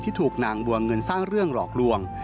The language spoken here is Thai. ถูกนางบัวเงินสร้างเรื่องหลอกลวง